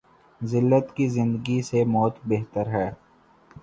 زلت کی زندگی سے موت بہتر ہے۔